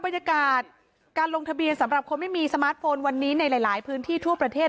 บรรยากาศการลงทะเบียนสำหรับคนไม่มีสมาร์ทโฟนวันนี้ในหลายพื้นที่ทั่วประเทศ